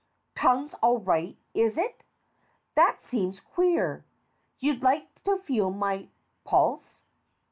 Tongue's all right, is it ? That seems queer. You'd like to feel my pulse.